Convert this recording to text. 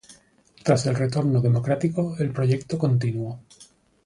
Tras el retorno democrático, el proyecto continuó.